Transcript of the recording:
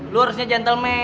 lo harusnya gentleman